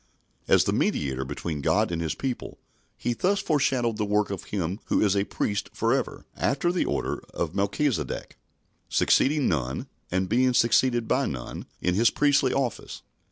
As the mediator between God and His people, he thus foreshadowed the work of Him who is a "priest for ever, after the order of Melchizedek," succeeding none, and being succeeded by none, in His priestly office.